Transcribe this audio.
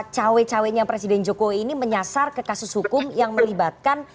cewek ceweknya presiden jokowi ini menyasar ke kasus hukum yang melibatkan